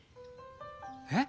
えっ！？